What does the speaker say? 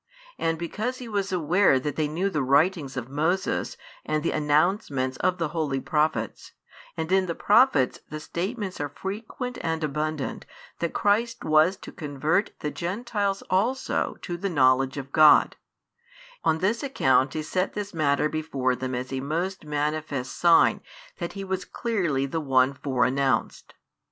And because He was aware that they knew the writings of Moses and the announcements of the Holy Prophets, and in the Prophets the statements are frequent and abundant that Christ was to |89 convert the Gentiles also to the knowledge of God: on this account He set this matter before them as a most manifest sign that He was clearly the One fore announced.